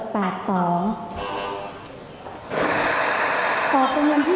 อภศ๔ครั้งที่๓๒